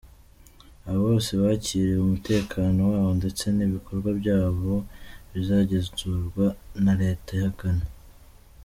Aba bose bakiriwe, umutekano wabo ndetse n’ibikorwa byabo bizagenzurwa na Leta ya Ghana.